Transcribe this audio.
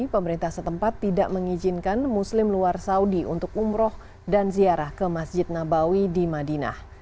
pemerintah setempat tidak mengizinkan muslim luar saudi untuk umroh dan ziarah ke masjid nabawi di madinah